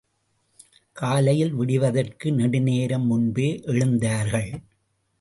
காலையில் விடிவதற்கு நெடுநேரம் முன்பே எழுந்தார்கள்.